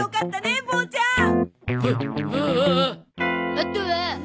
あとは。